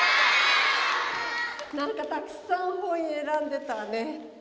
何かたくさん本選んでたわね。